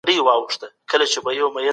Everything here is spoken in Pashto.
پانګوال په بېلابېلو برخو کي پانګونه کوي.